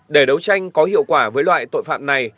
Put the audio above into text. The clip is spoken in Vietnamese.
để đấu tranh có hiệu quả với loại tội phạm này